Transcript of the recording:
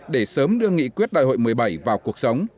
để sớm đưa nghị quyết đại hội một mươi bảy vào cuộc sống